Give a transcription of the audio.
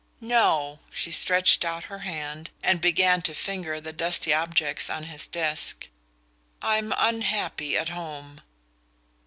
"No." She stretched out her hand and began to finger the dusty objects on his desk. "I'm unhappy at home."